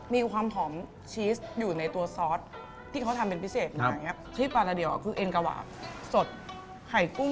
มีความหอมชีสอยู่ในตัวซอสที่เขาทำเป็นพิเศษอย่างนี้ชีสปานาเดียวคือเอ็นกวาสดไข่กุ้ง